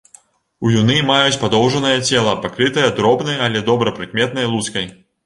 Уюны маюць падоўжанае цела, пакрытае дробнай, але добра прыкметнай лускай.